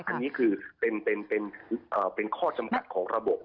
อันนี้คือเป็นข้อจำกัดของระบบ